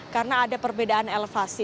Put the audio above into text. karena ada perbedaan elevasi